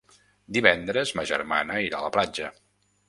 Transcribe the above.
Divendres ma germana irà a la platja.